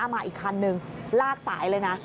มาอีกคันนึงลากสายเลยนะ